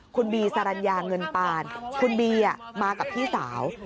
คุณบีสรรยาเงินปานคุณบีมากับพี่สาว